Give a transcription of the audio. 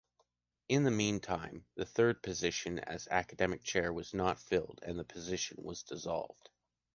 In the meantime, the third position as academic chair was not filled and the position was dissolved.